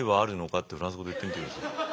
ってフランス語で言ってみてください。